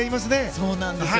そうなんですよ。